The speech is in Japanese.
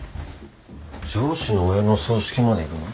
上司の親の葬式まで行くの？